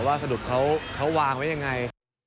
ว่าสะดวกเค้าวางไว้ยังไง